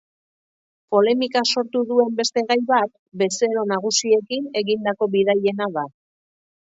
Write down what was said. Polemika sortu duen beste gai bat bezero nagusiekin egindako bidaiena da.